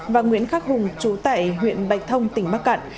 và nguyễn khắc hùng chú tại huyện bạch thông tỉnh bắc cạn